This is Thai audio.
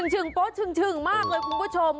ชึงโป๊ะชึ่งมากเลยคุณผู้ชม